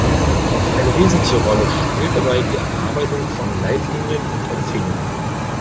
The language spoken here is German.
Eine wesentliche Rolle spielt dabei die Erarbeitung von Leitlinien und Empfehlungen.